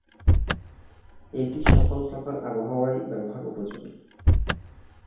এটি সকল প্রকার আবহাওয়ায় ব্যবহার উপযোগী।